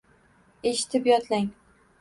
Eshitib yodlang.